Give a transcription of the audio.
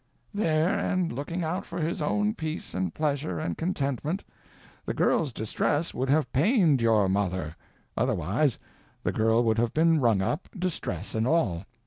There, and looking out for his own peace and pleasure and contentment. The girl's distress would have pained _your mother. _Otherwise the girl would have been rung up, distress and all.